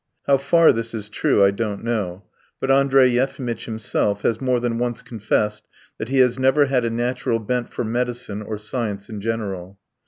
How far this is true I don't know, but Andrey Yefimitch himself has more than once confessed that he has never had a natural bent for medicine or science in general.